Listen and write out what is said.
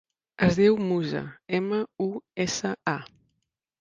Es diu Musa: ema, u, essa, a.